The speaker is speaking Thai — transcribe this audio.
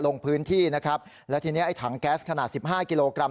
ลงพื้นที่นะครับแล้วทีนี้ไอ้ถังแก๊สขนาดสิบห้ากิโลกรัม